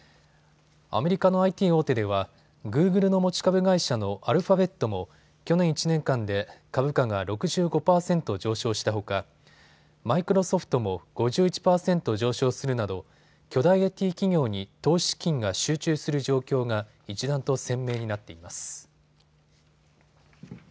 アメリカのＩＴ大手ではグーグルの持ち株会社のアルファベットも去年１年間で株価が６５％上昇したほかマイクロソフトも５１％上昇するなど巨大ＩＴ企業に投資資金が集中する状況が一段と鮮明になっています。